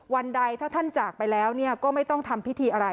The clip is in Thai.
วันใดถ้าท่านจากไปแล้วก็ไม่ต้องทำพิธีอะไร